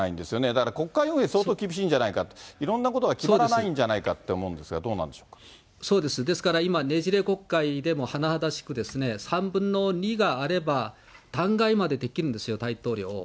だから国会運営、相当厳しいんじゃないか、いろんなことが決まらないんじゃないかって思うんですが、どうなそうです、ですから今、ねじれ国会でも甚だしく、３分の２があれば弾劾までできるんですよ、大統領を。